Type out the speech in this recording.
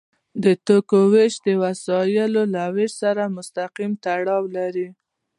د توکو ویش د وسایلو له ویش سره مستقیم تړاو لري.